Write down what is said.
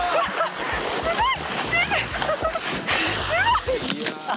すごい！